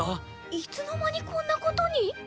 いつの間にこんなことに？